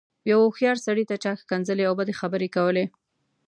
يوه هوښيار سړي ته چا ښکنځلې او بدې خبرې کولې.